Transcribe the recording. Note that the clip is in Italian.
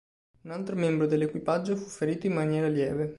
Un altro membro dell'equipaggio fu ferito in maniera lieve.